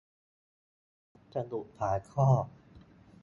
สะดุดฝาท่อ